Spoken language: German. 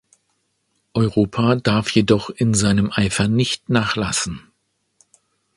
Europa darf jedoch in seinem Eifer nicht nachlassen.